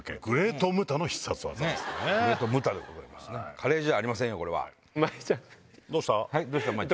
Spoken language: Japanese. カレーじゃありませんよ。